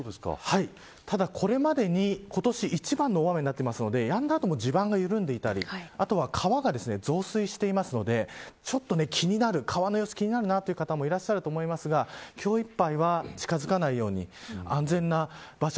ただ、これまでに今年一番の大雨になっているのでやんだ後も地盤が緩んでいたり川が増水しているので川の様子が気になるという方もいらっしゃると思いますが今日いっぱいは近づかないように安全な場所。